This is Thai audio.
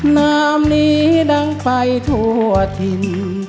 นามนี้ดังไปทั่วถิ่น